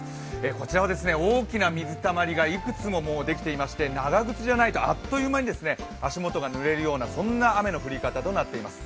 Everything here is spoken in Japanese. こちらは大きな水たまりがいくつも、もうできていまして、長靴じゃないとあっという間に足元がぬれるようなそんな雨の降り方となっています。